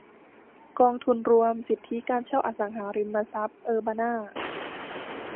กองทุนรวมสิทธิการเช่าอสังหาริมทรัพย์เออร์บานา